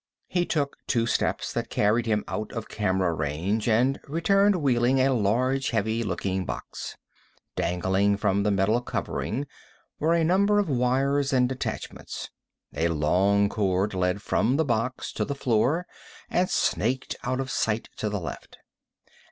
He took two steps that carried him out of camera range, and returned wheeling a large heavy looking box. Dangling from the metal covering were a number of wires and attachments. A long cord led from the box to the floor, and snaked out of sight to the left.